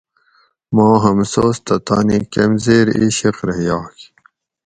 ماں ہمسوس تہ تانی کمزیر عِشق رہ یاگ.